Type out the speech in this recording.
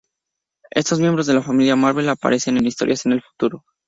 Estos miembros de la Familia Marvel aparecen en historias en el futuro.